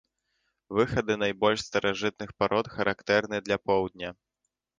Выхады найбольш старажытных парод характэрны для поўдня.